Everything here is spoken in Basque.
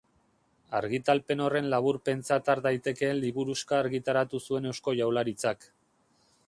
Argitalpen horren laburpentzat har daitekeen liburuxka argitaratu zuen Eusko Jaurlaritzak.